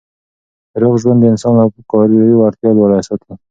روغ ژوند د انسان کاري وړتیا لوړه ساتي.